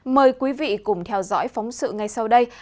mời quý vị cùng theo dõi phóng sự ngay sau đây